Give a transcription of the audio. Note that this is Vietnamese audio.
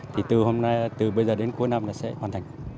thì từ bây giờ đến cuối năm là sẽ hoàn thành